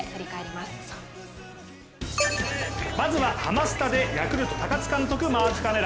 まずはハマスタでヤクルト高津監督、マークカメラ。